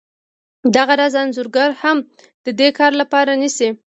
دغه راز انځورګر هم د دې کار لپاره نیسي